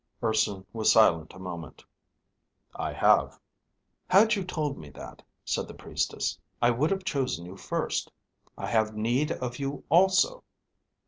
Urson was silent a moment. "I have." "Had you told me that," said the Priestess, "I would have chosen you first. I have need of you also.